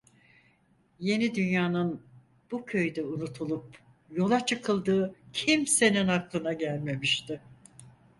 Yeni Dünya'nın bu köyde unutulup yola çıkıldığı kimsenin aklına gelmemişti.